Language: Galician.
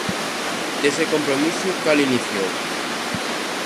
Dese compromiso, ¿cal iniciou?